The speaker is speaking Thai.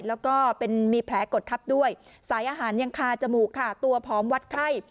แล้วก็มีแผลกดทับด้วยสายอาหารยังคาจมูกค่ะตัวพร้อมวัดไข้